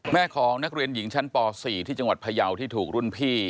แม่ของนักเรียนหญิงชั้นป๔ที่จังหวัดพยาวที่ถูกรุ่นพี่